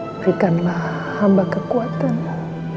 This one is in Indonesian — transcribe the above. berikanlah hamba kekuatanmu